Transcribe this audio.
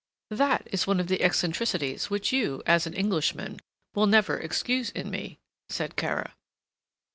"That is one of the eccentricities which you, as an Englishman, will never excuse in me," said Kara.